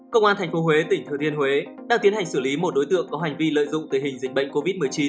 công an tp huế tỉnh thừa thiên huế đang tiến hành xử lý một đối tượng có hành vi lợi dụng tình hình dịch bệnh covid một mươi chín